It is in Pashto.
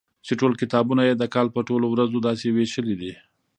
چي ټول کتابونه يي د کال په ټولو ورځو داسي ويشلي دي